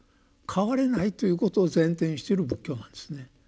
変われないということを前提にしてる仏教なんですね。